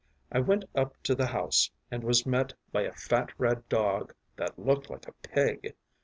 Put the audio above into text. I went up to the house, and was met by a fat red dog that looked like a pig.